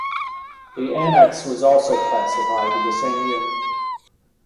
The annex was also classified the same year.